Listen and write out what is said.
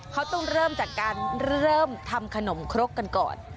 เขาต้องเริ่มจากการเริ่มทำขนมครกกันก่อน